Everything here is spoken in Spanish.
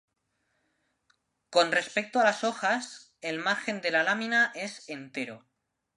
Con respecto a las hojas, el margen de la lámina es entero.